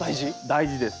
大事です。